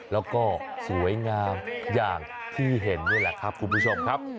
แล้วก็สวยงามอย่างที่เห็นนี่แหละครับคุณผู้ชมครับ